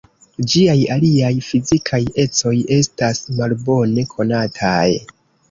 Ĝiaj aliaj fizikaj ecoj estas malbone konataj.